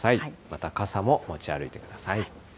また傘も持ち歩いてください。